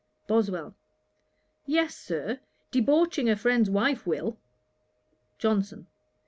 BOSWELL. 'Yes, Sir, debauching a friend's wife will.' JOHNSON.